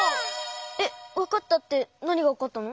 えっわかったってなにがわかったの？